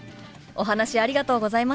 お話ありがとうございました！